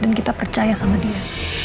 dan kita percaya sama dia